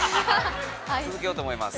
続けようと思います。